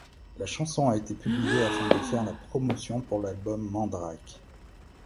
La chanson a été publiée afin de faire de la promotion pour l'album Mandrake.